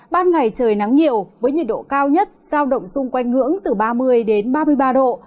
ban ngày trời nắng nhiều với nhiệt độ cao nhất giao động xung quanh ngưỡng từ ba mươi đến ba mươi ba độ